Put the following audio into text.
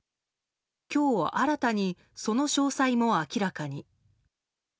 今日新たに、その詳細も明らかに。